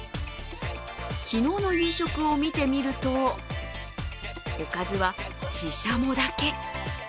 昨日の夕食を見てみるとおかずは、ししゃもだけ。